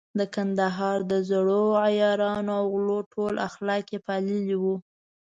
د کندهار د زړو عیارانو او غلو ټول اخلاق يې پاللي وو.